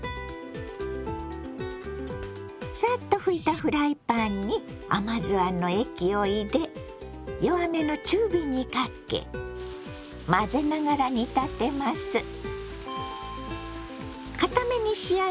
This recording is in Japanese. サッと拭いたフライパンに甘酢あんの液を入れ弱めの中火にかけ混ぜながら煮立てます。